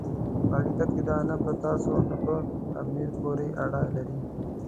په حقیقت کې دا نه په تاسو او نه په امیر پورې اړه لري.